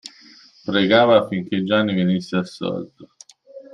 Pregava affinché Gianni venisse assolto.